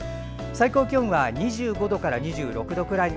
最高気温は２５度から２６度くらい。